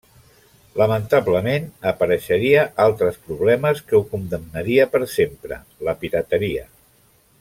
Lamentablement apareixeria altres problemes que ho condemnaria per sempre: la pirateria.